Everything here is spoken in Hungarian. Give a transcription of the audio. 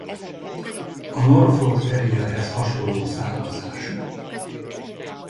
A Norfolk terrierhez hasonló származású.